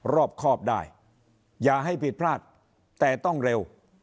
รอบครอบได้อย่าให้ผิดพลาดแต่ต้องเร็ว